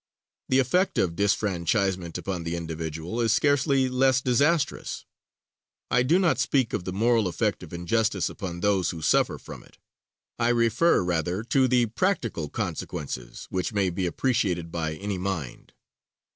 The effect of disfranchisement upon the individual is scarcely less disastrous. I do not speak of the moral effect of injustice upon those who suffer from it; I refer rather to the practical consequences which may be appreciated by any mind.